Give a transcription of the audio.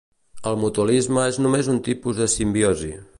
El mutualisme és només un tipus de simbiosi.